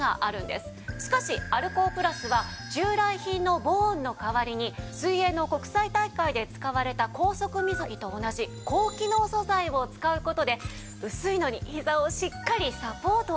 しかしアルコープラスは従来品のボーンの代わりに水泳の国際大会で使われた高速水着と同じ高機能素材を使う事で薄いのにひざをしっかりサポートできるんです。